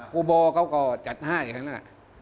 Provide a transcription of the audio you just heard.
กุโบเขาก็จัดห้ายอย่างนั้น